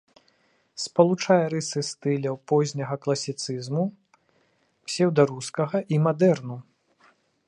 Спалучае рысы стыляў позняга класіцызму, псеўдарускага і мадэрну.